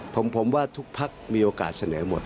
ผมว่าทุกพักมีโอกาสเสนอหมด